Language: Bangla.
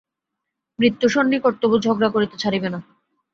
মৃত্যু সন্নিকট তবু ঝগড়া করিতে ছাড়িবে না।